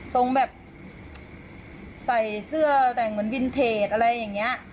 ทรงแบบใส่เสื้อแต่งเหมือนวินเทจอะไรอย่างนี้